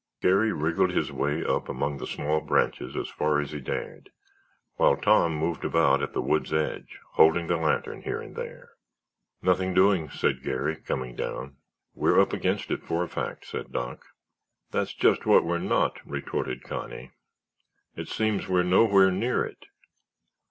Garry wriggled his way up among the small branches, as far as he dared, while Tom moved about at the wood's edge holding the lantern here and there. "Nothing doing," said Garry, coming down. "We're up against it, for a fact," said Doc. "That's just what we're not," retorted Connie. "It seems we're nowhere near it."